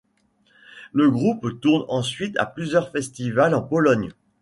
Le groupe tourne ensuite à plusieurs festivals en Pologne.